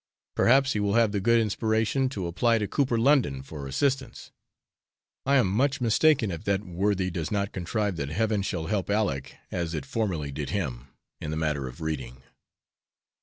Perhaps he will have the good inspiration to apply to Cooper London for assistance; I am much mistaken if that worthy does not contrive that Heaven shall help Aleck, as it formerly did him in the matter of reading.